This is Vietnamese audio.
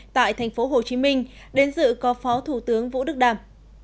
tại thành phố hồ chí minh đến dự có phó thủ tướng vũ đức đàm